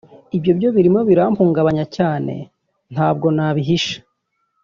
Ibyo byo birimo birampungabanya cyane ntabwo nabihisha